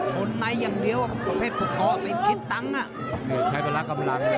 สนในอย่างเดียวประเภทประกอบเลยคิดตังค์อ่ะเนี่ยใช้เวลากำลังเลย